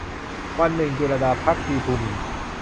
วันหนึ่ง - จุลลดา ภักดีภูมินทร์